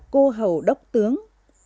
cô hầu đốc tướng